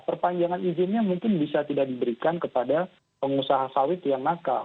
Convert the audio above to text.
perpanjangan izinnya mungkin bisa tidak diberikan kepada pengusaha sawit yang nakal